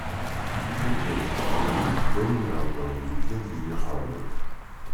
Tutlayt taqbaylit d ayen i heddṛen medden deg ixxamen.